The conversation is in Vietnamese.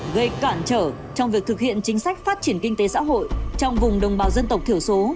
gây cản trở trong việc thực hiện chính sách phát triển kinh tế xã hội trong vùng đồng bào dân tộc thiểu số